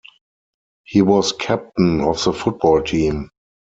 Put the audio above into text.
He was captain of the football team.